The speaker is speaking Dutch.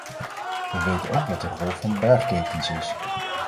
We weten ook wat de rol van bergketens is.